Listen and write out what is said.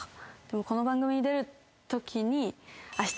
でもこの番組に出るときに。